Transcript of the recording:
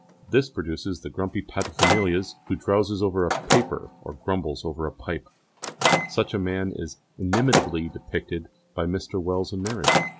This produces the grumpy paterfamilias who drowses over a paper or grumbles over a pipe; such a man is inimitably depicted by Mr. Wells in Marriage.